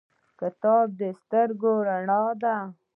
کتاب د سترګو رڼا ده